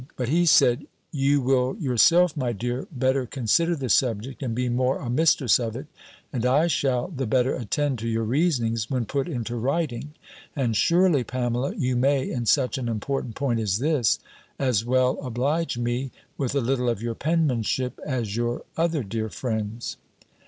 But he said, "You will yourself, my dear, better consider the subject, and be more a mistress of it, and I shall the better attend to your reasonings, when put into writing: and surely, Pamela, you may, in such an important point as this, as well oblige me with a little of your penmanship, as your other dear friends."